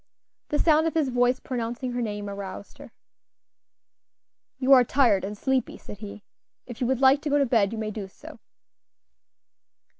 The sound of his voice pronouncing her name aroused her. "You are tired and sleepy," said he; "if you would like to go to bed you may do so."